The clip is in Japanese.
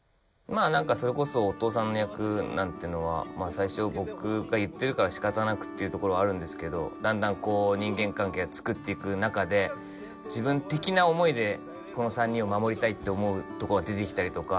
それこそ音尾さんの役なんてのは最初僕が言ってるから仕方なくっていうところはあるんですけどだんだん人間関係つくっていく中で自分的な思いでこの３人を守りたいって思うとこが出てきたりとか。